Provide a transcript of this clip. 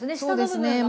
そうですね。